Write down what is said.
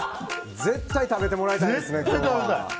絶対食べてもらいたいですね今日は。